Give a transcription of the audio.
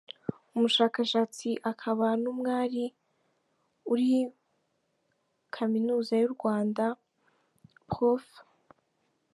Umushakashatsi akaba n’umwari uri Kaminuza y’u Rwanda, Prof.